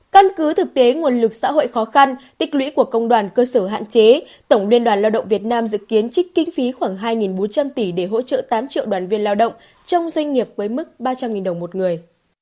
căn cứ thực tế nguồn lực xã hội khó khăn tích lũy của công đoàn cơ sở hạn chế tổng liên đoàn lao động việt nam dự kiến trích kinh phí khoảng hai bốn trăm linh tỷ để hỗ trợ tám triệu đoàn viên lao động trong doanh nghiệp với mức ba trăm linh đồng một người